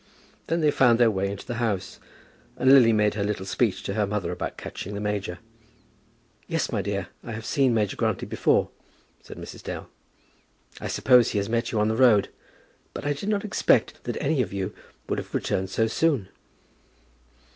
Then they found their way into the house, and Lily made her little speech to her mother about catching the major. "Yes, my dear, I have seen Major Grantly before," said Mrs. Dale. "I suppose he has met you on the road. But I did not expect that any of you would have returned so soon."